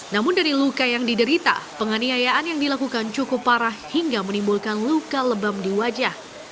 namun dari luka yang diderita penganiayaan yang dilakukan cukup parah hingga menimbulkan luka lebam di wajah